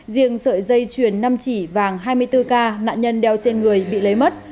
riêng sợi dây chuyền năm chỉ vàng hai mươi bốn k nạn nhân đeo trên người bị lấy mất